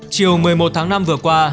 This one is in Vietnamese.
chiều một mươi một tháng năm vừa qua